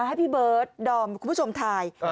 ให้พี่เบิร์ดดอมคุณผู้ชมถ่าย